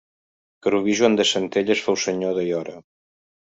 Querubí Joan de Centelles fou senyor d'Aiora.